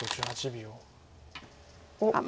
おっ。